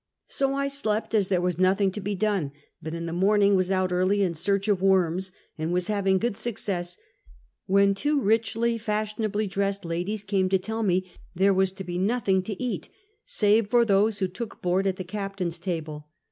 So I slept, as there was nothing to be done, but in the morn ing was out earl}^ in search of worms, and was having good success, when two richly, fashionably dressed ladies came to tell me there was to be nothing to eat, save for those who took board at the captain's table.